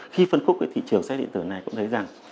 khi phân khúc thị trường sách điện tử này cũng thấy rằng